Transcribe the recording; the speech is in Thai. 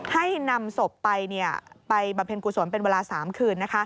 ให้นำศพไปไปบำเพ็ญกุศลเป็นเวลา๓คืน